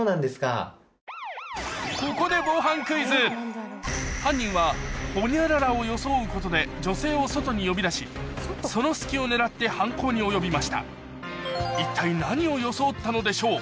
ここで犯人はホニャララを装うことで女性を外に呼び出しその隙を狙って犯行に及びました一体何を装ったのでしょう？